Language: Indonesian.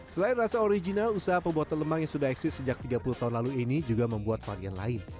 selain rasa original usaha pembuatan lemang yang sudah eksis sejak tiga puluh tahun lalu ini juga membuat varian lain